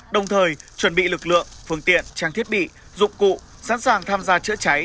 đồng thời chuẩn bị lực lượng phương tiện trang thiết bị dụng cụ sẵn sàng tham gia chữa cháy